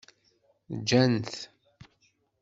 Gant-t.